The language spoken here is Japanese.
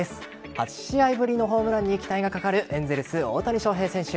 ８試合ぶりのホームランに期待がかかるエンゼルス・大谷翔平選手。